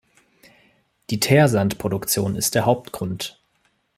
Die Teersandproduktion ist der Hauptgrund.